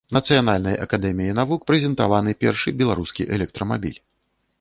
Нацыянальнай акадэміяй навук прэзентаваны першы беларускі электрамабіль.